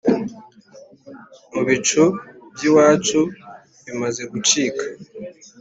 Mu bicu by'iwacu bimaze gucika